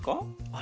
あ。